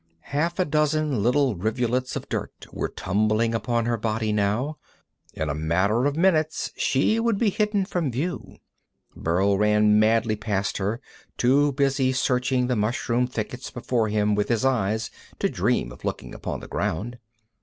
Half a dozen little rivulets of dirt were tumbling upon her body now. In a matter of minutes she would be hidden from view. Burl ran madly past her, too busy searching the mushroom thickets before him with his eyes to dream of looking upon the ground.